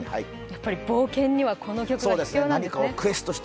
冒険にはこの曲が必要なんですね。